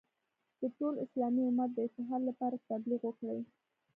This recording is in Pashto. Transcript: د ټول اسلامي امت د اتحاد لپاره تبلیغ وکړي.